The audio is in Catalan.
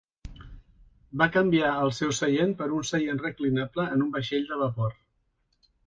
Va canviar el seu seient per un seient reclinable en un vaixell de vapor.